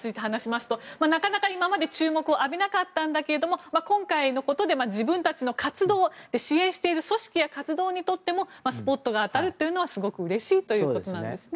なかなか注目を浴びなかったんだけど今回のことで、自分たちが支援している組織や活動についてもスポットが当たるのはうれしいと話しているんですね。